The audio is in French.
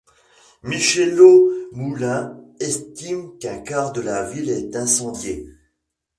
Michelot Moulin estime qu'un quart de la ville est incendié.